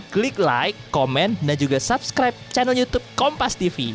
klik like komen dan juga subscribe channel youtube kompas tv